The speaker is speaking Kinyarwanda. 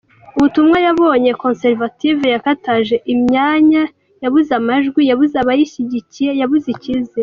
ubutumwa yabonye Conservative yatakaje imyanya, yabuze amajwi, yabuze abayishyigikiye, yabuze icyizere.